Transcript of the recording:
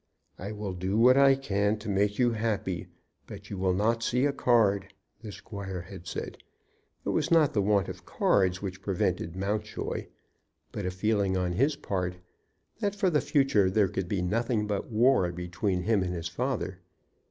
"I will do what I can to make you happy, but you will not see a card," the squire had said. It was not the want of cards which prevented Mountjoy, but a feeling on his part that for the future there could be nothing but war between him and his father.